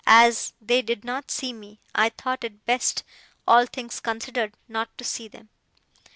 As they did not see me, I thought it best, all things considered, not to see them.